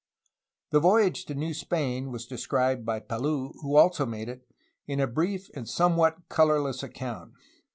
The voyage to New Spain was described by Palou, who also made it, in a brief and somewhat colorless account.